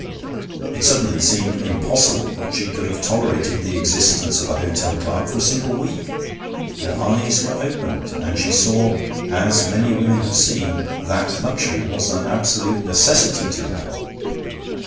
It suddenly seemed impossible that she could have tolerated the existence of a hotel clerk for a single week. Her eyes were opened, and she saw, as many women have seen, that luxury was an absolute necessity to her.